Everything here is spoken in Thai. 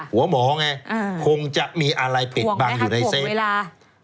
หัวหมอไงอืมคงจะมีอะไรเป็นบางอยู่ในเซฟถวงเวลา